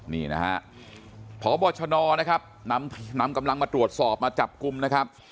นี่นะฮะพบชนนะครับนำกำลังมาตรวจสอบมาจับกลุ่มนะครับ